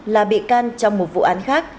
là bị can trong một vụ án khác